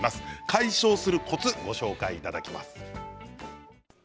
解消するコツご紹介いただきます。